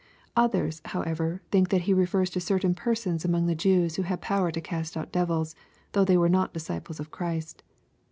Others, however, think that He refers to certain persons among tlie Jews who had power to cast out devils, though they were not disciples of Christ.